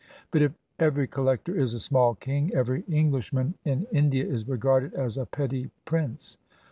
But if every collector is a small king, every Enghsh man in India is regarded as a petty prince.